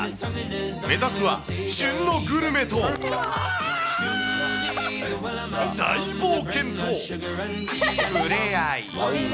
目指すは旬のグルメと大冒険と、触れ合い。